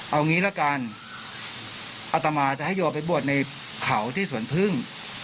เอางี้ละกันอัตมาจะให้โยไปบวชในเขาที่สวนพึ่ง